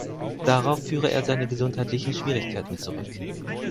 Darauf führe er seine gesundheitlichen Schwierigkeiten zurück.